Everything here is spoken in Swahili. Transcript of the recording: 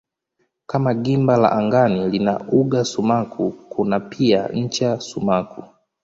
Kama gimba la angani lina uga sumaku kuna pia ncha sumaku.